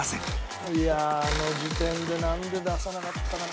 いやあの時点でなんで出さなかったかな。